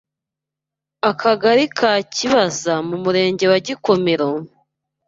akagali ka kibaza mu murenge wa Gikomero,